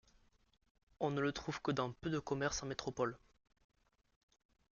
On ne le trouve que dans peu de commerces en métropole.